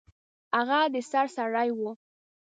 هغه د سر سړی و.